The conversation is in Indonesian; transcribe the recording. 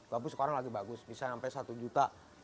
tapi sekarang lagi bagus bisa sampai satu juta